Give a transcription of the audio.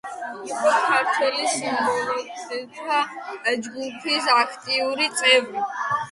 იყო ქართველ სიმბოლისტთა ჯგუფის აქტიური წევრი.